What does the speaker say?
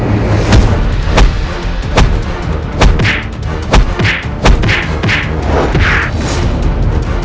idi deliver firman adalah